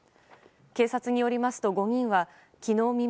警察によりますと５人は昨日未明